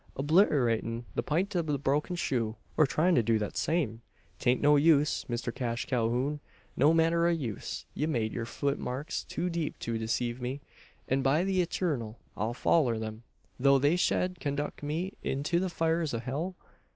"Oblitturatin' the print o' the broken shoe, or tryin' to do thet same! 'Taint no use, Mister Cash Calhoun no manner o' use. Ye've made yur fut marks too deep to deceive me; an by the Eturnal I'll foller them, though they shed conduck me into the fires o' hell?"